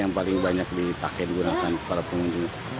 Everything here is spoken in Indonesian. yang paling banyak di pakai digunakan para pengunjung